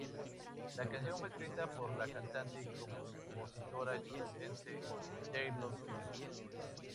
La canción fue escrita por la cantante y compositora estadounidense Taylor Swift.